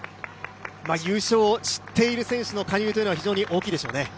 優勝を知っている選手の加入は非常に大きいでしょうね。